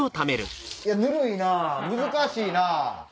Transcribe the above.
ぬるいな難しいな！